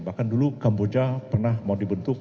bahkan dulu kamboja pernah mau dibentuk